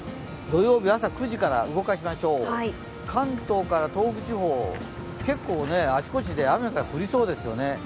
土曜日朝９時から動かしましょう関東から東北地方、結構あちこちで雨が降りそうですよね。